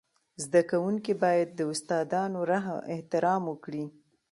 زده کوونکي باید د استادانو احترام وکړي.